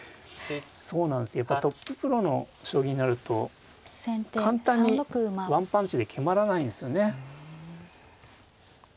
そうなんですやっぱトッププロの将棋になると簡単にワンパンチで決まらないんですよね。